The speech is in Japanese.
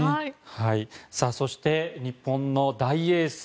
そして日本の大エース